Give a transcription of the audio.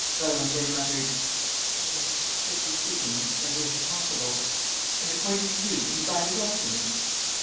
Valenglay muttered: "Yes, strictly speaking, that is possible. ... And, according to you, did he find the documents?"